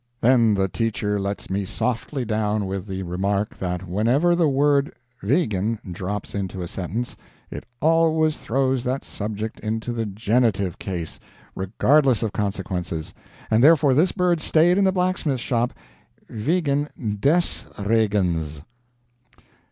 Then the teacher lets me softly down with the remark that whenever the word "wegen" drops into a sentence, it ALWAYS throws that subject into the GENITIVE case, regardless of consequences and therefore this bird stayed in the blacksmith shop "wegen DES Regens."